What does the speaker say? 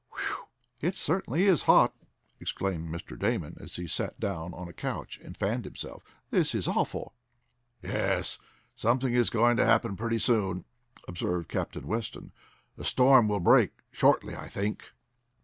"Whew! But it certainly is hot!" exclaimed Mr. Damon as he sat down on a couch and fanned himself. "This is awful!" "Yes, something is going to happen pretty soon," observed Captain Weston. "The storm will break shortly, I think."